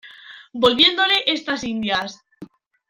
volviéndole estas Indias.